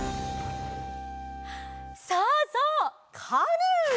そうそうカヌー！